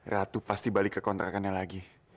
ratu pasti balik ke kontrakannya lagi